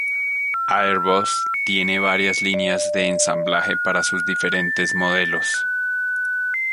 Airbus tiene varias líneas de ensamblaje para sus diferentes modelos.